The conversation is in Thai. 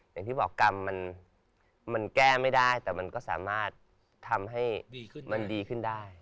อย่างที่บอกกรรมมันแก้ไม่ได้แต่มันก็สามารถทำให้มันดีขึ้นได้